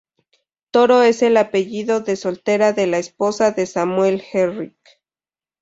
Toro es el apellido de soltera de la esposa de Samuel Herrick.